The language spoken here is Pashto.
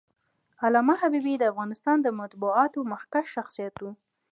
علامه حبيبي د افغانستان د مطبوعاتو مخکښ شخصیت و.